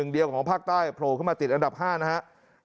เดียวของภาคใต้โผล่ขึ้นมาติดอันดับ๕นะครับ